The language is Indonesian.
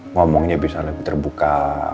ngomongnya bisa lebih terbuka